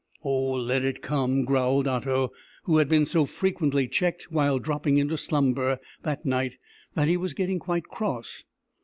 "Oh, let it come!" growled Otto, who had been so frequently checked while dropping into slumber that night that he was getting quite cross.